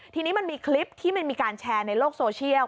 ทีนี้มันมีคลิปที่มันมีการแชร์ในโลกโซเชียล